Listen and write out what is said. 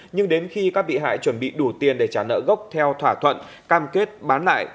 nhưng đến khi các bị hại chuẩn bị đủ tiền để trả nợ gốc theo thỏa thuận cam kết bán lại